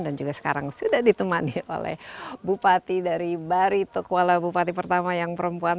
dan juga sekarang sudah ditemani oleh bupati dari baritokwala bupati pertama yang perempuan